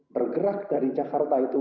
bergerak dari jakarta itu